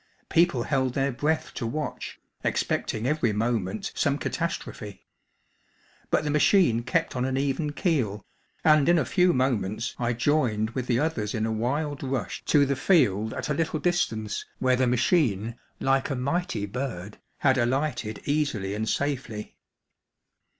People held their breath to watch, expecting every moment some catastrophe. But the machine kept on an even keel, and in a few moments I joined with the others in a wild rush to the field at a little distance where the machine, like a mighty bird, had alighted easily and safely.